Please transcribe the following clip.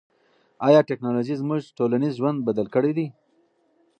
آیا ټیکنالوژي زموږ ټولنیز ژوند بدل کړی دی؟